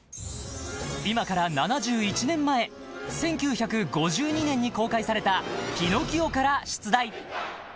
［今から７１年前１９５２年に公開された『ピノキオ』から出題］